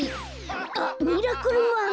あっ「ミラクルマン」。